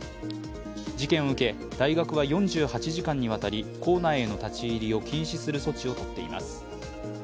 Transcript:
事件を受け、大学は４８時間にわたり構内への立ち入りを禁止する措置を取っています。